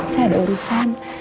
saya ada urusan